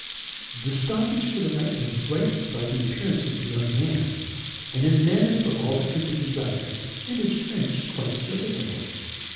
The stoppage for the night was brightened by the appearance of the young man, and his manners were all that could be desired and his French quite serviceable.